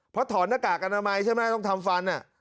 เพราะถอนหน้ากากอนามัยใช่ไหมต้องทำฟัน